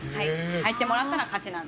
入ってもらったら勝ちなんで。